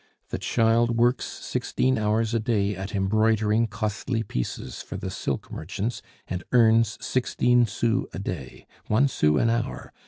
The child works sixteen hours a day at embroidering costly pieces for the silk merchants, and earns sixteen sous a day one sou an hour!